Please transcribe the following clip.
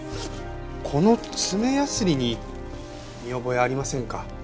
この爪ヤスリに見覚えありませんか？